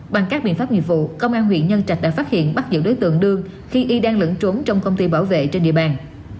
bằng các biện pháp nghiệp vụ công an huyện nhân trạch đã phát hiện bắt giữ đối tượng đương khi y đang lẫn trốn trong công ty bảo vệ trên địa bàn